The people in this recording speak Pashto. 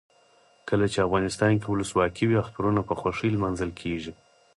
کله چې افغانستان کې ولسواکي وي اخترونه په خوښۍ لمانځل کیږي.